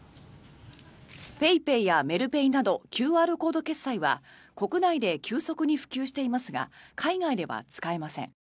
ＰａｙＰａｙやメルペイなどＱＲコード決済は国内で急速に普及していますが海外では使えません。